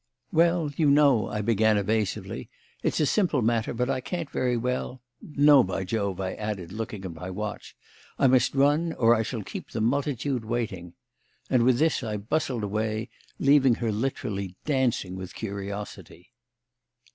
"Well, you know," I began evasively, "it's a simple matter, but I can't very well no, by Jove!" I added, looking at my watch, "I must run, or I shall keep the multitude waiting." And with this I bustled away, leaving her literally dancing with curiosity.